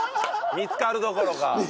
見つかるどころか。